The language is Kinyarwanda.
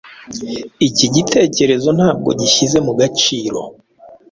Iki gitekerezo ntabwo gihyize mu gaciro